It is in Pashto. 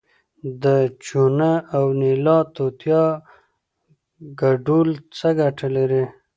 د چونه او نیلا توتیا ګډول څه ګټه لري؟